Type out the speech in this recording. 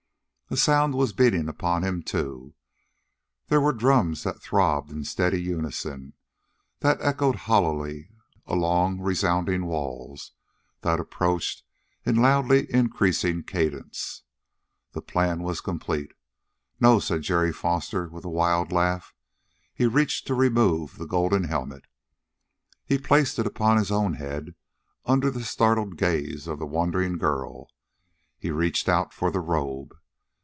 A sound was beating upon him, too. There were drums that throbbed in steady unison, that echoed hollowly along resounding walls, that approached in loudly increasing cadence. The plan was complete. "No!" said Jerry Foster, with a wild laugh. He reached to remove the golden helmet. He placed it upon his own head, under the startled gaze of the wondering girl. He reached out for the robe.